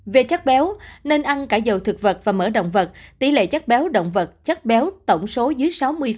về chất béo nên ăn cả dầu thực vật và mở động vật tỷ lệ chất béo động vật chất béo tổng số dưới sáu mươi